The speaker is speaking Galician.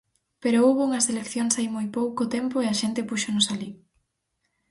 Pero houbo unhas eleccións hai moi pouco tempo e a xente púxonos alí.